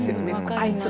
「あいつだ！」